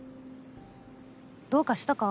どうかしたか？